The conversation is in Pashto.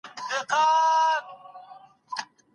معلم صاحب باید زموږ پاڼه وړاندي کړي.